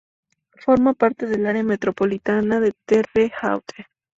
Forma parte del área metropolitana de Terre Haute.